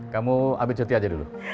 kamu ambil cuti aja dulu